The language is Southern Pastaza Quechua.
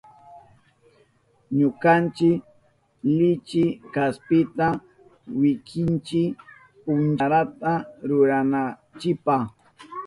Ñukanchi lichi kaspita wikinchi punkarata rurananchipa.